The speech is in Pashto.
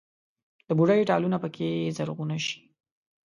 د بوډۍ ټالونه پکښې زرغونه شي